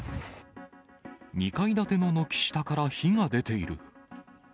２階建ての軒下から火が出ている。